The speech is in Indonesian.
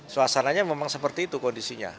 suasananya memang seperti itu kondisinya